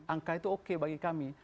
angka itu oke bagi kami